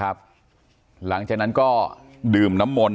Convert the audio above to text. ข้าพเจ้านางสาวสุภัณฑ์หลาโภ